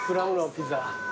ピザ。